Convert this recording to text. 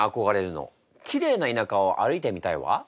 きれいな田舎を歩いてみたいわ。